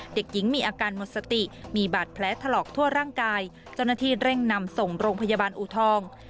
เด็กหญิงมีอาการหมดสติมีบาดแผลถลอกทั่วร่างกายเจ้าหน้าที่เร่งนำส่งโรงพยาบาลอูทอง